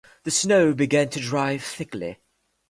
The snow began to drive thickly.